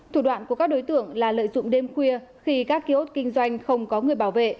thủ đoạn của các đối tượng là lợi dụng đêm khuya khi các kiosk kinh doanh không có người bảo vệ